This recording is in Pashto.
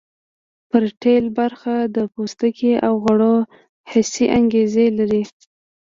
پریټل برخه د پوستکي او غړو حسي انګیزې اخلي